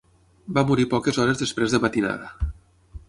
Va morir poques hores després de matinada.